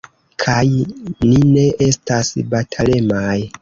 Kaj ni ne estas batalemaj.